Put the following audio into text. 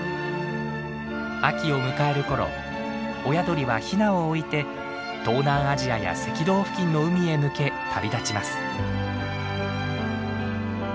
秋を迎える頃親鳥はヒナを置いて東南アジアや赤道付近の海へ向け旅立ちます。